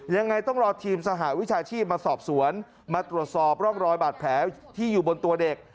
ยังไงต้องรอทีมสหวิชาชีพมาสอบสวนมาตรวจสอบร่องรอยบาดแผลที่อยู่บนตัวเด็ก